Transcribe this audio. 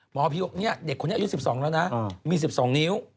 หมอผีบอกเนี่ยเด็กคนนี้อายุ๑๒แล้วนะมี๑๒นิ้ว